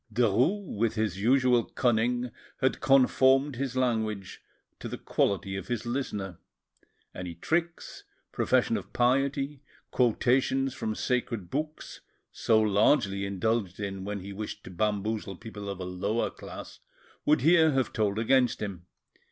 Derues, with his usual cunning, had conformed his language to the quality of his listener. Any tricks, profession of piety, quotations from sacred books, so largely indulged in when he wished to bamboozle people of a lower class, would here have told against him.